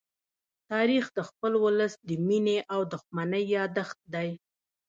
تاریخ د خپل ولس د مینې او دښمنۍ يادښت دی.